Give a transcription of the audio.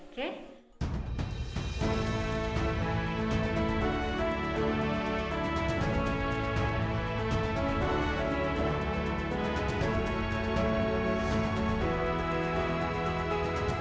kalau tidak ada kata ibu berkata tidak usah